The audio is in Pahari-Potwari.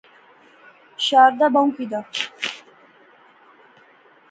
شاردا بہوں کی دا